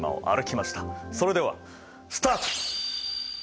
それではスタート！